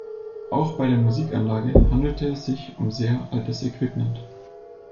Auch bei der Musikanlage handelte es sich um sehr altes Equipment.